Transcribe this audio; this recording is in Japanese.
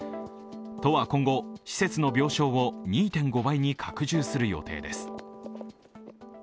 都は今後、施設の病床を２．５倍に拡充する予定です。